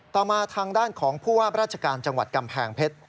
ต่อมาทางด้านของผู้ว่าราชการจังหวัดกำแพงเพชร